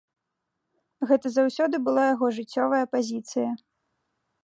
Гэта заўсёды была яго жыццёвая пазіцыя.